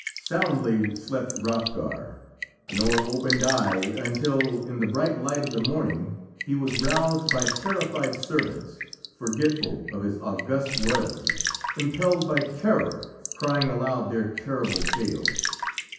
Soundly slept Hrothgar, nor opened eye until, in the bright light of the morning, he was roused by terrified servants, forgetful of his august royalty, impelled by terror, crying aloud their terrible tale.